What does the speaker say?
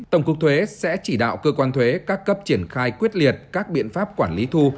tổng cục thuế sẽ chỉ đạo cơ quan thuế các cấp triển khai quyết liệt các biện pháp quản lý thu